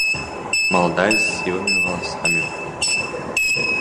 Маладая з сівымі валасамі.